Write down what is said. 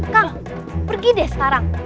kak pergi deh sekarang